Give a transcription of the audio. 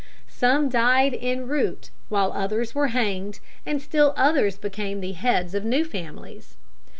Some died en route, others were hanged, and still others became the heads of new families.